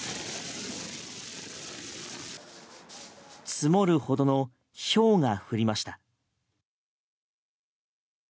積もるほどのひょうが降りました。